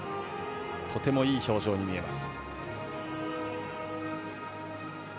とてもいい表情に見えます。